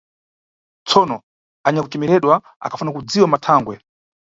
Tsono, anyakucemeredwa akhafuna kudziwa mathangwe.